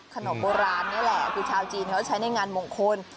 ขนมโบราณนี่แหละคือชาวจีนเขาใช้ในงานมงคล